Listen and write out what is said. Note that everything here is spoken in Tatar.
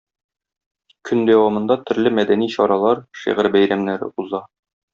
Көн дәвамында төрле мәдәни чаралар, шигырь бәйрәмнәре уза.